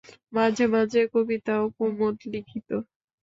মাঝে মাঝে কবিতাও কুমুদ লিখিত।